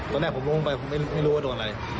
ตอนแรกผมลงไปผมไม่รู้ว่าโดนอะไร